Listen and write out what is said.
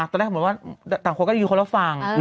ตอนแรกเหมือนว่าต่างคนก็จะอยู่คนละฝั่ง